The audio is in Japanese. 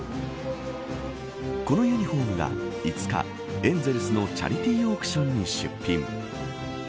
このユニホームが５日エンゼルスのチャリティーオークションに出品。